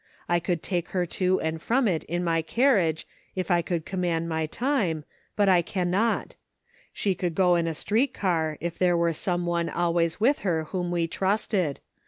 I could take her to and from it in my carriage if I could command my time, but I cannot ; she could go in a street car, if there were some one always with her whom we trusted.